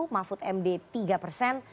mahfud md tiga persen